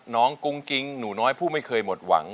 กุ้งกิ๊งหนูน้อยผู้ไม่เคยหมดหวัง